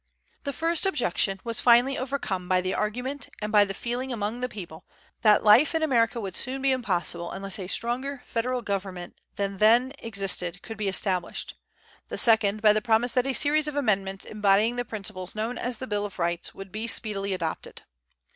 The first objection was finally overcome by the argument and by the feeling among the people that life in America would soon be impossible unless a stronger federal government than then existed could be established; the second, by the promise that a series of amendments embodying the principles known as the Bill of Rights would speedily be adopted.